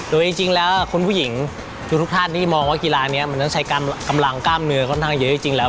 โดยจริงแล้วคุณผู้หญิงทุกท่านที่มองว่ากีฬานี้มันต้องใช้กำลังกล้ามเนื้อค่อนข้างเยอะจริงแล้ว